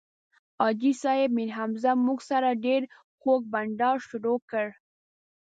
حاجي صیب میرحمزه موږ سره ډېر خوږ بنډار شروع کړ.